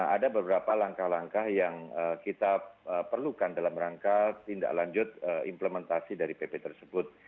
ada beberapa langkah langkah yang kita perlukan dalam rangka tindak lanjut implementasi dari pp tersebut